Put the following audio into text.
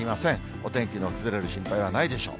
お天気の崩れる心配はないでしょう。